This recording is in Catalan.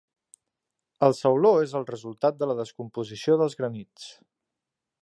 El sauló és el resultat de la descomposició dels granits.